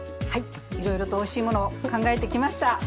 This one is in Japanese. はいいろいろとおいしいものを考えてきました。